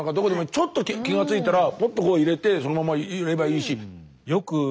ちょっと気が付いたらポッとこう入れてそのままいればいいし。